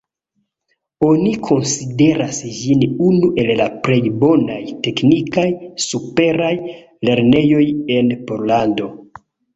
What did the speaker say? Oni konsideras ĝin unu el la plej bonaj teknikaj superaj lernejoj en Pollando.